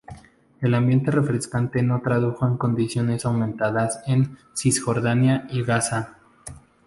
La ambiente refrescante no tradujo en condiciones aumentadas en Cisjordania y Gaza.